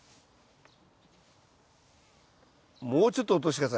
もうちょっと落として下さい。